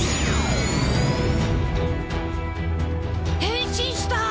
変身した！